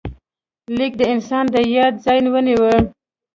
لیک د انسان د یاد ځای ونیو.